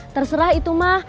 terserah itu mah